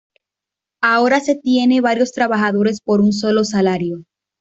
Ahora se tiene varios trabajadores por un solo salario.